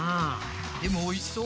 でもおいしそう。